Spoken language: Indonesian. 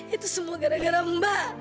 itu semua gara gara mbak